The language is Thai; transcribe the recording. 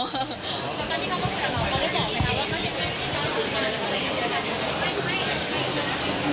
แล้วตอนนี้เขาก็คุยกับเราเพราะไม่บอกไหมคะ